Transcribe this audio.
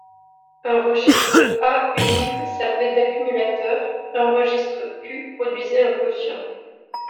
Un registre A unique servait d'accumulateur, un registre Q produisait un quotient.